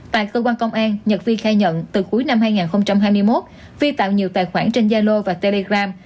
tại cơ quan công an nhật vi khai nhận từ cuối năm hai nghìn hai mươi một vi tạo nhiều tài khoản trên gia lô và telegram